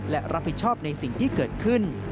และรับผิดชอบในสิ่งที่เกิดขึ้น